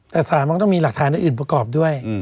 แต่สารมันก็ต้องมีหลักฐานอื่นประกอบด้วย